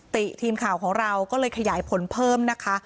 ติทีมข่าวของเราก็เลยขยายผลเพิ่มนะคะ